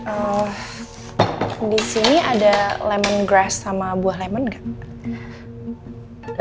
eh di sini ada lemongrass sama buah lemon gak